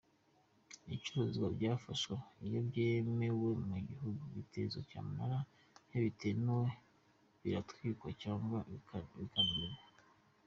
Ibicuruzwa byafashwe, iyo byemewe mu hihugu, bitezwa cyamunara, iyo bitemewe biratwikwa cyangwa bikamenwa.